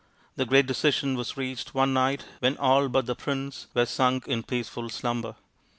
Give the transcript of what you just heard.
The great decision was reached one night when all but the prince were sunk in peaceful slumber.